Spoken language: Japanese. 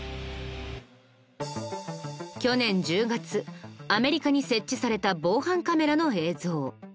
去年１０月アメリカに設置された防犯カメラの映像。